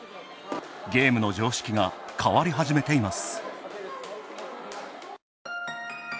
ゲームの常識が変わり始めています。